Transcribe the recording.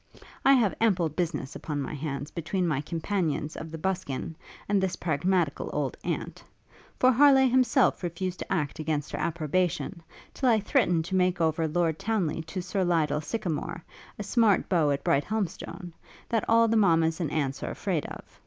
I have ample business upon my hands, between my companions of the buskin, and this pragmatical old aunt; for Harleigh himself refused to act against her approbation, till I threatened to make over Lord Townly to Sir Lyell Sycamore, a smart beau at Brighthelmstone, that all the mammas and aunts are afraid of.